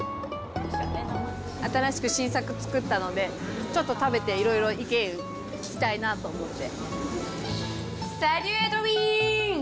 新しく新作作ったので、ちょっと食べて、いろいろ意見聞きたいなと思って。